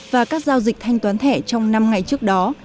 và các giao dịch thanh toán thẻ trong năm ngày trước đó